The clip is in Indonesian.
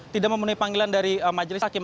tidak memenuhi panggilan dari majelis hakim